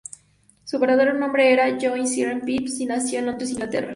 Su verdadero nombre era Joyce Irene Phipps, y nació en Londres, Inglaterra.